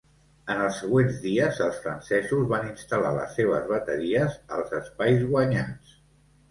En els següents dies, els francesos van instal·lar les seves bateries als espais guanyats.